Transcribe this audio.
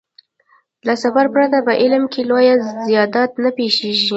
له سفر پرته په علم کې لويه زيادت نه پېښېږي.